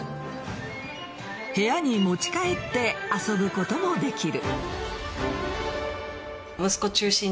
部屋に持ち帰って遊ぶこともできる。